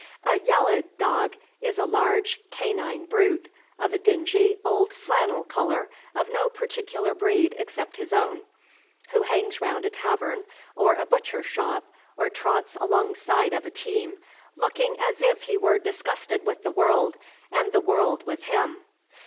A "yallah dog" is a large canine brute, of a dingy old flannel color, of no particular breed except his own, who hangs round a tavern or a butcher's shop, or trots alongside of a team, looking as if he were disgusted with the world, and the world with him.